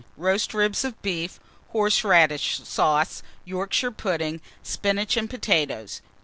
Roast ribs of beef, horseradish sauce, Yorkshire pudding, spinach and potatoes.